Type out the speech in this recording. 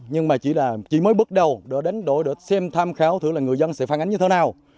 nhưng mà chỉ mới bước đầu đổi đánh đổi đổi xem tham khảo thử là người dân sẽ phản ánh như thế nào